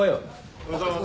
おはようございます。